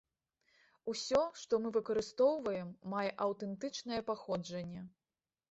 Усё, што мы выкарыстоўваем, мае аўтэнтычнае паходжанне.